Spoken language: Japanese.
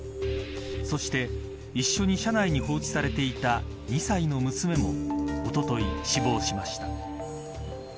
そして一緒に車内に放置されていた２歳の娘もおととい死亡しました。